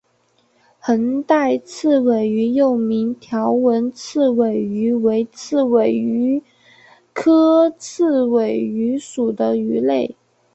横带刺尾鱼又名条纹刺尾鱼为刺尾鱼科刺尾鱼属的鱼类。